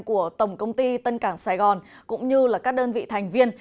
của tổng công ty tân cảng sài gòn cũng như các đơn vị thành viên